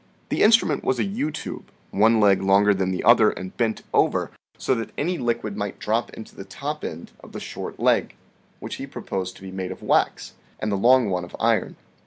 The instrument was a U tube, one leg longer than the other and bent over, so that any liquid might drop into the top end of the short leg, which he proposed to be made of wax, and the long one of iron.